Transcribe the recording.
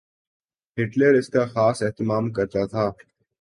Hitler اس کا خاص اہتمام کرتا تھا۔